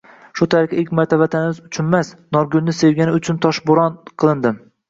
Shu tariqa ilk marta Vatan uchunmas, Norgulni sevganim uchun toshbo’ron qilindim.